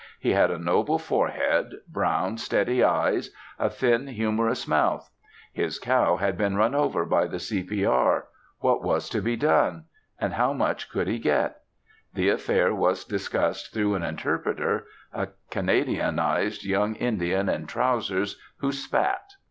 He had a noble forehead, brown, steady eyes, a thin, humorous mouth. His cow had been run over by the C.P.R. What was to be done? and how much would he get? The affair was discussed through an interpreter, a Canadianised young Indian in trousers, who spat.